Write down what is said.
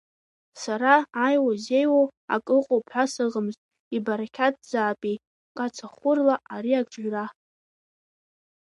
Сара, аиуа-зеиуоу ак ыҟоуп ҳәа сыҟамызт, ибарақьаҭзаапеи кацахәырла ари акҿыҩра…